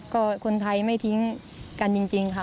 ก็คนไทยไม่ทิ้งกันจริงค่ะ